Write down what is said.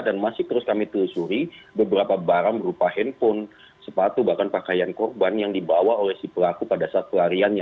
dan masih terus kami telusuri beberapa barang berupa handphone sepatu bahkan pakaian korban yang dibawa oleh si pelaku pada saat pelariannya